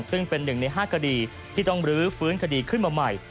ซึ่งเป็นหนึ่งใน๕คดีที่ต้องรื้อฟื้นคดีขึ้นมาใหม่